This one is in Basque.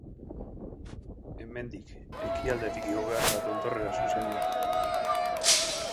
Hemendik, ekialdetik igo behar da tontorrera zuzenean.